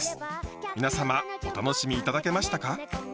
皆様お楽しみ頂けましたか？